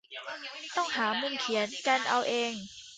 ต้องหามุมเขียนกันเอาเอง